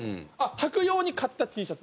はく用に買ったＴシャツ。